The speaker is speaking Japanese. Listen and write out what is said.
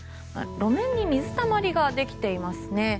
路面に水たまりができていますね。